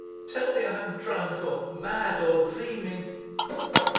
Tell me I'm drunk, or mad, or dreaming....